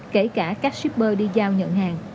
kể cả các shipper đi giao nhận hàng